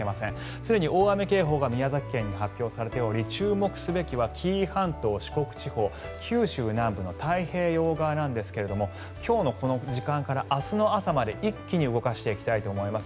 すでに大雨警報が宮崎県に発表されており注目すべきは紀伊半島四国地方、九州南部の太平洋側なんですが今日のこの時間から明日の朝まで一気に動かしていきたいと思います。